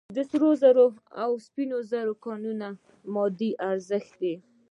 د سرو زرو او سپینو زرو کانونه مادي شرایط دي.